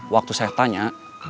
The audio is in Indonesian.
waktu saya tanya